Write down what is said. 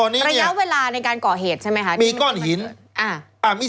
ระยะเวลาในการเกาะเหตุใช่ไหมครับมีก้อนหิน